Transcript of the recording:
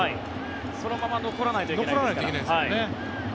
そのまま残らないといけないですから。